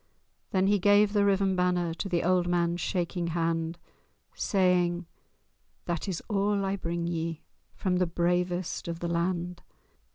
Then he gave the riven banner To the old man's shaking hand, Saying—"That is all I bring ye From the bravest of the land!